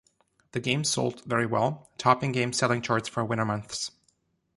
The game sold very well, topping game selling charts for winter months.